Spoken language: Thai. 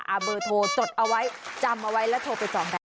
เบอร์โทรจดเอาไว้จำเอาไว้แล้วโทรไปจองได้